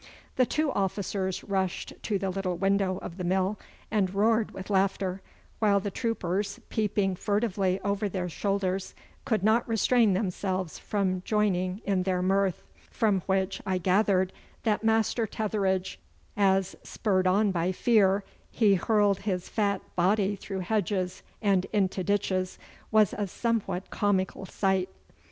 The two officers rushed to the little window of the mill and roared with laughter, while the troopers, peeping furtively over their shoulders, could not restrain themselves from joining in their mirth, from which I gathered that Master Tetheridge, as, spurred on by fear, he hurled his fat body through hedges and into ditches, was a somewhat comical sight.